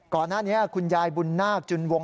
ก่อนหน้านี้คุณยายบุญนาคจุนวง